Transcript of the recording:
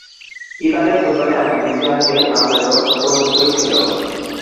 ইতালির ফুটবলে এমন দিন যে আসবে, তা হয়তো অনুমিতই ছিল।